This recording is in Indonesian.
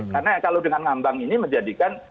karena kalau dengan ngambang ini menjadikan